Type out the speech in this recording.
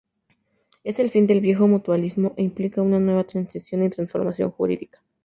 Es el fin del viejo mutualismo e implica una nueva transición y transformación jurídica.